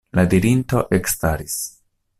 La dirinto ekstaris.